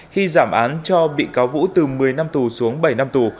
khi giảm án cho bị cáo vũ từ một mươi năm tù xuống bảy năm tù